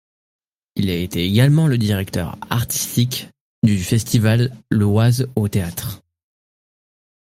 Il a été également le directeur artistique du festival L’Oise au théâtre.